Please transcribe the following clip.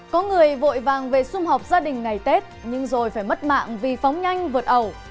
có người vội vàng về xung họp gia đình ngày tết nhưng rồi phải mất mạng vì phóng nhanh vượt ẩu